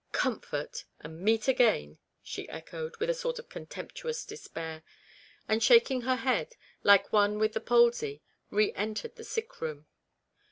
" 6 Comfort/ and ' meet again,' " she echoed, with a sort of contemptuous despair, and shaking her head, like one with the palsy, re entered the sick room.